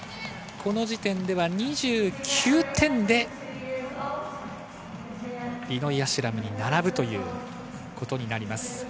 この時点で２９点でリノイ・アシュラムに並ぶということになります。